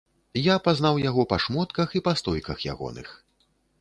Я пазнаў яго па шмотках і па стойках ягоных.